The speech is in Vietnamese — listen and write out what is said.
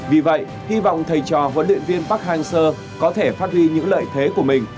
vì vậy hy vọng thầy trò huấn luyện viên park hang seo có thể phát huy những lợi thế của mình